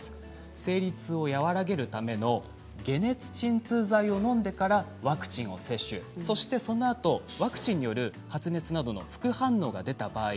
生理痛を和らげるための解熱鎮痛剤をのんでからワクチンを接種し、そしてその後ワクチンによる発熱などの副反応が出た場合